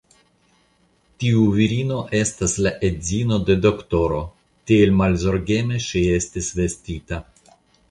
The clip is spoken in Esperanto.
Tiu virino estas la edzino de doktoro, tiel malzorgeme ŝi estis vestita.